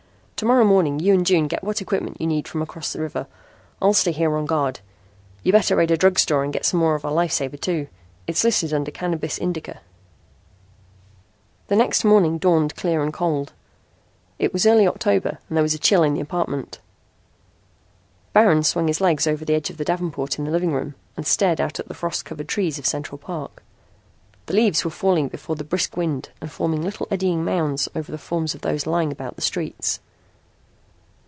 To morrow morning you and June get what equipment you need from across the river. I'll stay here on guard. You'd better raid a drug store and get some more of our life saver, too. It's listed under Cannabis Indica." The next morning dawned clear and cold. It was early October and there was a chill in the apartment. Baron swung his legs over the edge of the davenport in the living room and stared out at the frost covered trees of Central Park. The leaves were falling before the brisk wind and forming little eddying mounds over the forms of those lying about the streets.